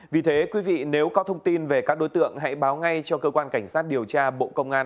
vì thế quý vị nếu có thông tin về các đối tượng hãy báo ngay cho cơ quan cảnh sát điều tra bộ công an